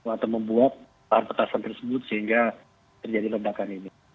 atau membuat lahan petasan tersebut sehingga terjadi ledakan ini